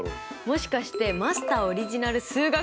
もしかしてマスターオリジナル数学ソングとか？